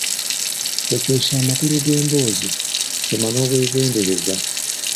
Tokyusa amakulu g’emboozi, soma n’obwegendereza.